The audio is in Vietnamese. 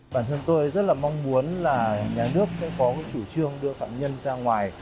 bản thân tôi rất mong muốn nhà nước sẽ có chủ trương đưa phạm nhân ra ngoài